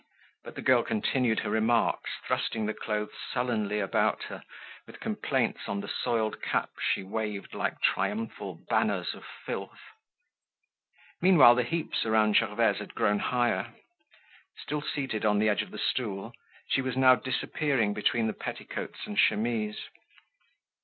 But the girl continued her remarks, thrusting the clothes sullenly about her, with complaints on the soiled caps she waved like triumphal banners of filth. Meanwhile the heaps around Gervaise had grown higher. Still seated on the edge of the stool, she was now disappearing between the petticoats and chemises.